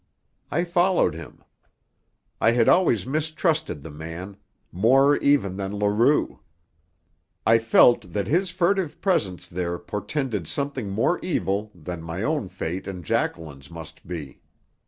I followed him. I had always mistrusted the man; more, even, than Leroux. I felt that his furtive presence there portended something more evil than my own fate and Jacqueline's must be.